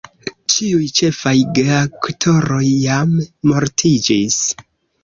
Ĉiuj ĉefaj geaktoroj jam mortiĝis.